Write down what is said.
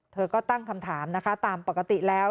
เธอก็ตั้งคำถามนะคะตามปกติแล้ว